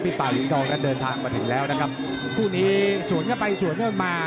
พี่ป่าลินก้อนก็เดินทางมาถึงแล้วนะครับคู่นี้สวนเข้าไปสวนเข้ามา